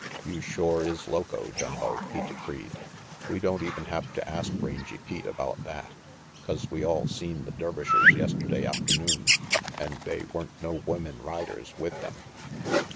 "You shore is loco, Jumbo," he decreed. "We don't even have to ask Rangy Pete about that, 'cause we all seen the Dervishers yesterday afternoon an' they weren't no women riders with them."